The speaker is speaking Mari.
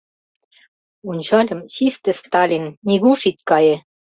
Ончальым — чисте Сталин, нигуш ит кае!